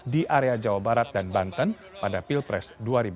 di area jawa barat dan banten pada pilpres dua ribu dua puluh